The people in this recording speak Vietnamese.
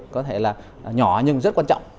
có thể là nhỏ nhưng rất quan trọng